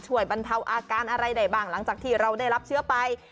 บรรเทาอาการอะไรได้บ้างหลังจากที่เราได้รับเชื้อไป